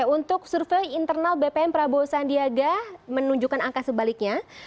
untuk survei internal bpn prabowo sandiaga menunjukkan angka sebaliknya